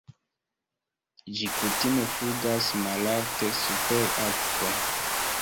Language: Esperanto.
Ĝi kutime flugas malalte super akvo.